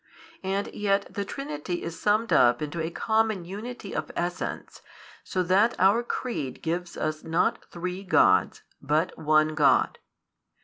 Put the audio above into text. And yet the Trinity is summed up into a common Unity of Essence, so that our |234 Creed gives us not three Gods, but one God.